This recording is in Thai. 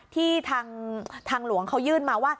ที่ทางหลวงเขายื่นมาว่า